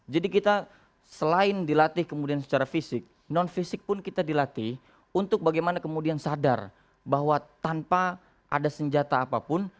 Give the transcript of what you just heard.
jadi kita selain dilatih kemudian secara fisik non fisik pun kita dilatih untuk bagaimana kemudian sadar bahwa tanpa ada senjata apapun